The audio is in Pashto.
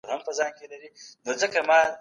سیاسي ګوندونه له تاریخ څخه خپله انګېزه اخلي.